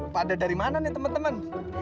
pada dari mana nih temen temen